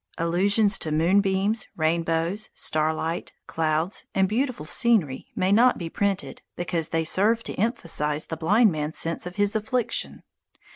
Allusion to moonbeams, rainbows, starlight, clouds, and beautiful scenery may not be printed, because they serve to emphasize the blind man's sense of his affliction."